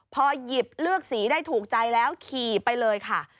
พอหยิบเลือกสีได้ถูกใจแล้วขี่ไปเลยค่ะ